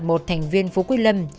một thành viên phú quy lâm